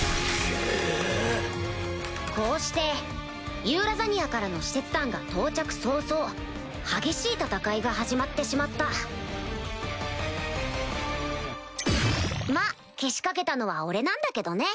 こうしてユーラザニアからの使節団が到着早々激しい戦いが始まってしまったまぁけしかけたのは俺なんだけどね。